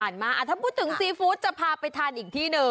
ถ้าพูดถึงซีฟู้ดจะพาไปทานอีกที่หนึ่ง